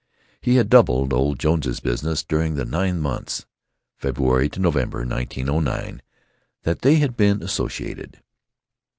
He had doubled old Jones's business during the nine months—February to November, 1909—that they had been associated.